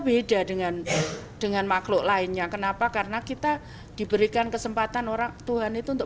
beda dengan dengan makhluk lainnya kenapa karena kita diberikan kesempatan orang tuhan itu untuk